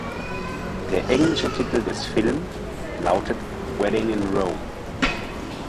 Der englische Titel des Film lautet "Wedding in Rome".